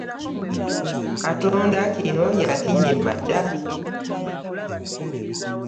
Katonda kino yakinnyima dda.